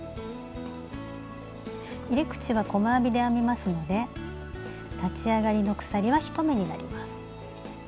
入れ口は細編みで編みますので立ち上がりの鎖は１目になります。